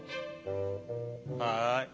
はい。